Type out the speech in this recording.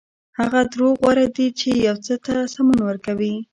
هغه دروغ غوره دي چې یو څه ته سمون ورکوي.